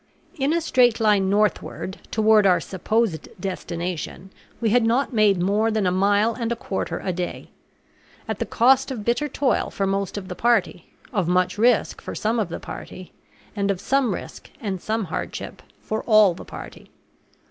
In a straight line northward, toward our supposed destination, we had not made more than a mile and a quarter a day; at the cost of bitter toil for most of the party, of much risk for some of the party, and of some risk and some hardship for all the party.